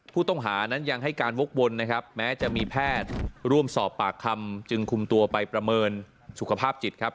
ผู้ต้องหานั้นยังให้การวกวนนะครับแม้จะมีแพทย์ร่วมสอบปากคำจึงคุมตัวไปประเมินสุขภาพจิตครับ